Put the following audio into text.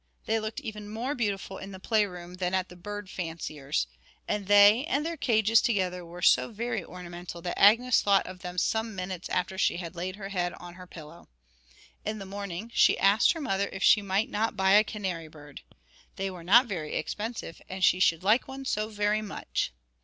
They looked even more beautiful in the play room than at the bird fancier's, and they and their cages together were so very ornamental that Agnes thought of them some minutes after she had laid her head on her pillow. In the morning she asked her mother if she might not buy a canary bird. They were not very expensive, and she should like one so very much.'